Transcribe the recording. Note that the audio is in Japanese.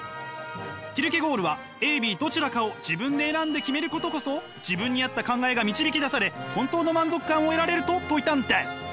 キルケゴールはＡＢどちらかを自分で選んで決めることこそ自分に合った考えが導き出され本当の満足感を得られると説いたんです！